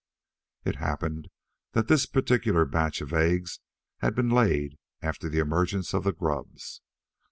It happened that this particular batch of eggs had been laid after the emergence of the grubs.